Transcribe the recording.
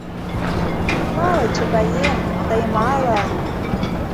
Мале, чукаем, тый мале...